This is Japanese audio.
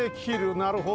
なるほど。